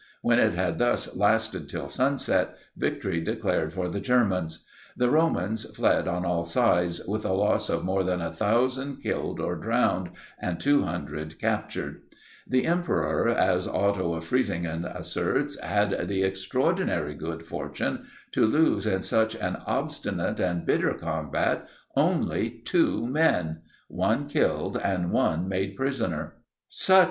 When it had thus lasted till sunset, victory declared for the Germans. The Romans fled on all sides with a loss of more than 1000 killed or drowned, and 200 captured. The emperor, as Otto of Frisingen asserts, had the extraordinary good fortune to lose in such an obstinate and bitter combat only two men, one killed and one made prisoner. "Such!"